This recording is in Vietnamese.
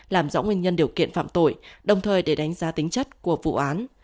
làm rõ nguyên nhân điều kiện phạm tội đồng thời để đánh giá tính chất của vụ án